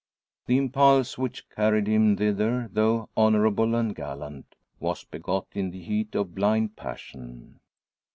The impulse which carried him thither, though honourable and gallant, was begot in the heat of blind passion.